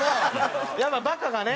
やっぱ「バカ」がね。